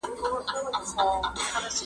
په لویه جرګه کي د ملي بیرغ په اړه څه بحث کېږي؟